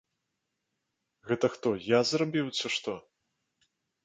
Гэта хто, я зрабіў, ці што?